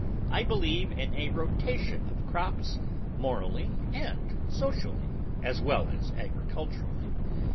I believe in a rotation of crops, morally and socially, as well as agriculturally.